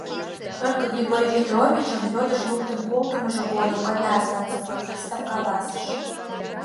Только Григорий Петровичым йодышт луктын колтымыжо годым гына становой пристав каласыш: